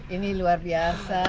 ini luar biasa